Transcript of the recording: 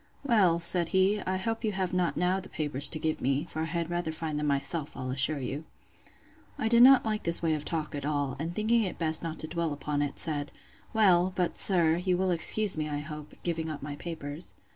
Well, said he, I hope you have not now the papers to give me; for I had rather find them myself, I'll assure you. I did not like this way of talk at all; and thinking it best not to dwell upon it, said, Well, but, sir, you will excuse me, I hope, giving up my papers.